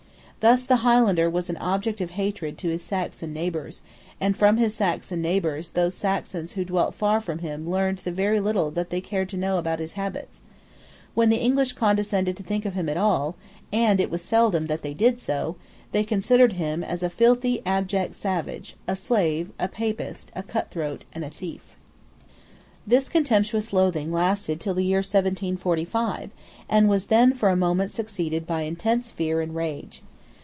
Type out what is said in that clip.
Thus the Highlander was an object of hatred to his Saxon neighbours; and from his Saxon neighbours those Saxons who dwelt far from him learned the very little that they cared to know about his habits. When the English condescended to think of him at all, and it was seldom that they did so, they considered him as a filthy abject savage, a slave, a Papist, a cutthroat, and a thief, This contemptuous loathing lasted till the year 1745, and was then for a moment succeeded by intense fear and rage.